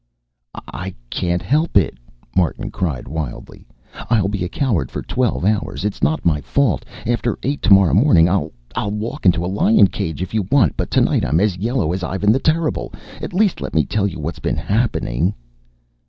"I can't help it," Martin cried wildly. "I'll be a coward for twelve hours. It's not my fault. After eight tomorrow morning I'll I'll walk into a lion cage if you want, but tonight I'm as yellow as Ivan the Terrible! At least let me tell you what's been happening."